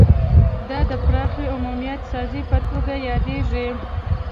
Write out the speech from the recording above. دا د پراخې عمومیت سازۍ په توګه یادیږي